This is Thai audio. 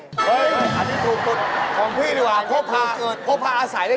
เฮ้ย